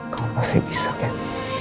kamu pasti bisa ken